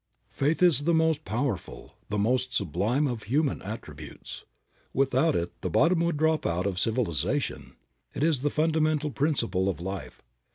Faith is the most powerful, the most sublime of human attributes. Without it the bottom would drop out of civilization. It is the fundamental principle of life.